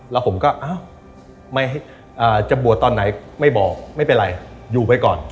แล้วผมก็อ้าวจะบวชตอนไหนไม่บอกไม่เป็นไรอยู่ไปก่อน